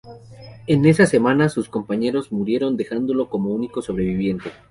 En esa semana, sus compañeros murieron, dejándolo como único sobreviviente.